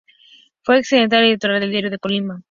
Fue exdirector editorial del Diario de Colima.